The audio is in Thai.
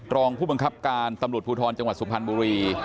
รองผู้บังคับการตำรวจภูทรจังหวัดสุพรรณบุรี